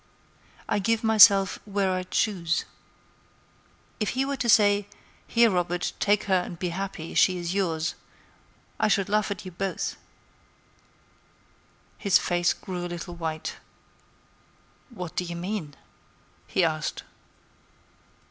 I give myself where I choose. If he were to say, 'Here, Robert, take her and be happy; she is yours,' I should laugh at you both." His face grew a little white. "What do you mean?" he asked.